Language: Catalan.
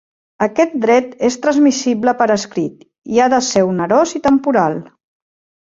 Aquest dret és transmissible per escrit i ha de ser onerós i temporal.